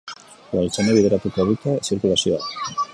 Udaltzainek bideratuko dute zirkulazioa.